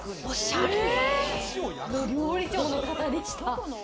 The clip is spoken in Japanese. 料理長の方でした。